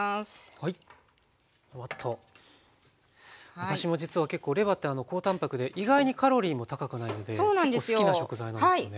私も実は結構レバーって高たんぱくで意外にカロリーも高くないので結構好きな食材なんですよね。